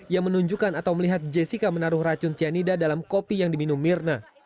ia menunjukkan atau melihat jessica menaruh racun cyanida dalam kopi yang diminum mirna